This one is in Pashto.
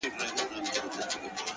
o لـه ژړا دي خداى را وساته جانـانـه؛